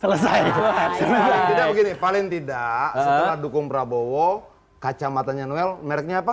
terus saya tidak begini paling tidak sedang dukung prabowo kacamatanya noel mereknya apa